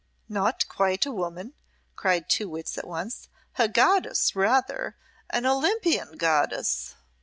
"Not quite a woman," cried two wits at once. "A goddess rather an Olympian goddess."